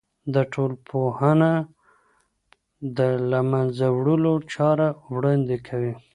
د ټولنپوهنه د له منځه وړلو چاره وړاندې کوي.